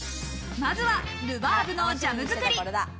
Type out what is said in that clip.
まずはルバーブのジャム作り。